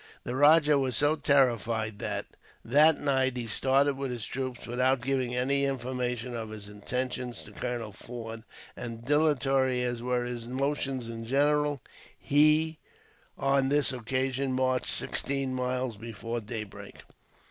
The rajah was so terrified that, that night, he started with his troops without giving any information of his intentions to Colonel Forde; and dilatory as were his motions in general, he, on this occasion, marched sixteen miles before daybreak.